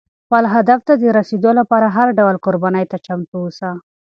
خپل هدف ته د رسېدو لپاره هر ډول قربانۍ ته چمتو اوسه.